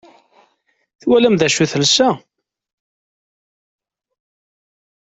Twalam d acu i telsa?